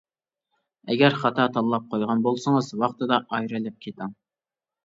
ئەگەر خاتا تاللاپ قويغان بولسىڭىز، ۋاقتىدا ئايرىلىپ كېتىڭ.